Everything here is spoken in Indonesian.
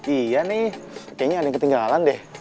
iya nih kayaknya ada yang ketinggalan deh